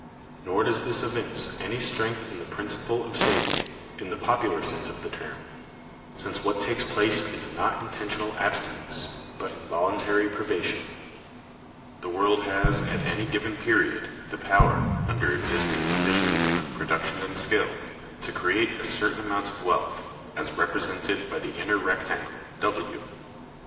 Nor does this evince any strength in the principle of saving, in the popular sense of the term, since what takes place is not intentional abstinence, but involuntary privation. The world has at any given period the power, under existing conditions of production and skill, to create a certain amount of wealth, as represented by the inner rectangle, W.